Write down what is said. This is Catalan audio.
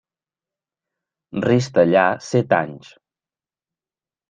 Resta allà set anys.